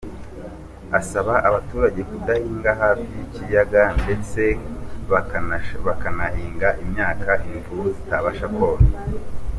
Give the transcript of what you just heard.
Asaba abaturage kudahinga hafi y’ikiyaga, ndetse bakanahinga imyaka imvubu zitabasha kona.